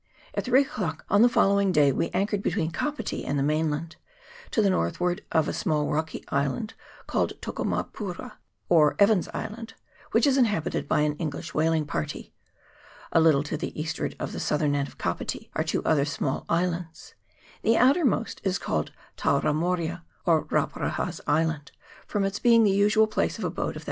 At three o'clock on the following day we anchored between Kapiti and the mainland, to the north ward of a small rocky island called Tokomapura, or Evans's Island, which is inhabited by an English whaling party. A little to the eastward of the southern end of Kapiti are two other small islands : the outermost is called Tauramoria, or Rauparaha's Island, from its being the usual place of abode of CHAP, in.] EVANS'S ISLAND.